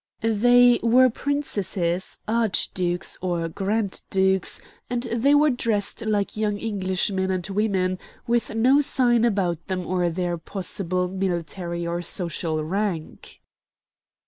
They were princesses, archdukes, or grand dukes, and they were dressed like young English men and women, and with no sign about them of their possible military or social rank.